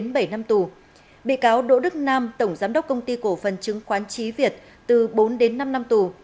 bị cáo đỗ đức nam tổng giám đốc công ty cổ phần chứng khoán trí việt